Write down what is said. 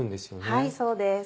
はいそうです。